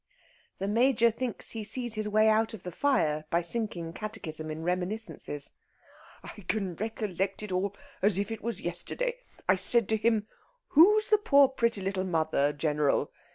The Major thinks he sees his way out of the fire by sinking catechism in reminiscences. "I can recollect it all as if it were yesterday. I said to him, 'Who's the poor pretty little mother, General?'